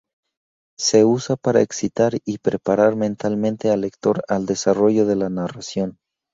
Se usa para excitar y preparar mentalmente al lector al desarrollo de la narración.